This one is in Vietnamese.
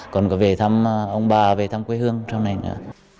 còn có về thăm ông bà về thăm quê hương sau này nữa